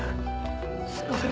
すみません